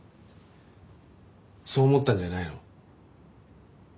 そう思ったんじゃないの？